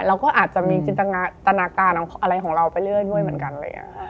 เราก็อาจจะมีจินตนาการอะไรของเราไปเรื่อยเหมือนกันเลย